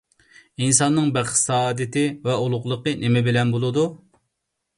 ئىنساننىڭ بەخت-سائادىتى ۋە ئۇلۇغلۇقى نېمە بىلەن بولىدۇ؟